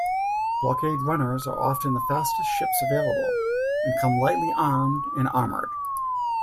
Blockade runners are often the fastest ships available, and come lightly armed and armored.